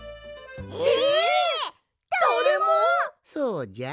そうじゃ。